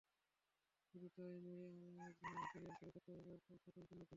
শুধু তাই নয়, আপনার ক্যারিয়ার শুরু করতে হবে একরকম শূন্য থেকে।